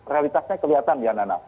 realitasnya kelihatan ya nana